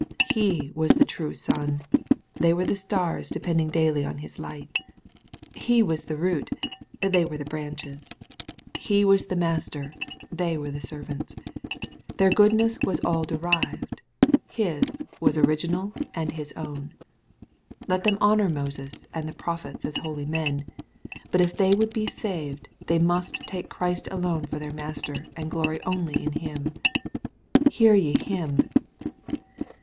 — He was the true sun : they were the stars depending daily on His light. — He was the root : they were the branches. — He was the MATTHEW, CHAP. XVH. 209 Master : thay were the servants. — Their goodness was all derived : His was original and His own. — ^Let them honor Moses and the prophets, as holy men. But if they would be saved, they must take Christ alone for their Master, and glory only in Him. " Hear ye Him."